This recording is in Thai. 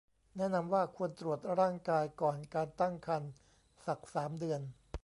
แนะนำว่าควรตรวจร่างกายก่อนการตั้งครรภ์สัก สาม เดือน